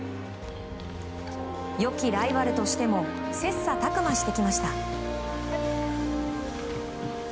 良きライバルとしても切磋琢磨してきました。